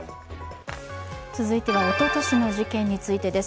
続いてはおととしの事件についてです。